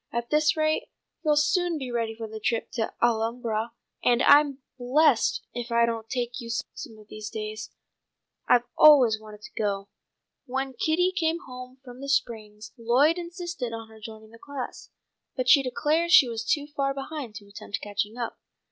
"At this rate you'll soon be ready for a trip to the Alhambra, and I'm blessed if I don't take you some of these days. I've always wanted to go." When Kitty came home from the springs Lloyd insisted on her joining the class, but she declared she was too far behind to attempt catching up.